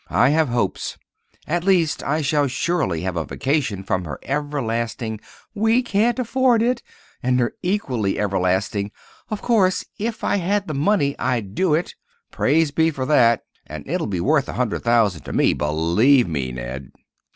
I have hopes. At least, I shall surely have a vacation from her everlasting "We can't afford it," and her equally everlasting "Of course, if I had the money I'd do it." Praise be for that!—and it'll be worth a hundred thousand to me, believe me, Ned.